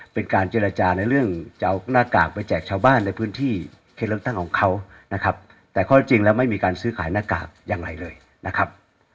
เป็นการเจรจาในเรื่องจะเอาหน้ากากไปแจกชาวบ้านในพื้นที่เขตเลือกตั้งของเขานะครับแต่ข้อที่จริงแล้วไม่มีการซื้อขายหน้ากากอย่างไรเลยนะครับ